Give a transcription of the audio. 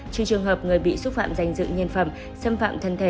trừ trường hợp người bị xúc phạm danh dự nhân phẩm xâm phạm thân thể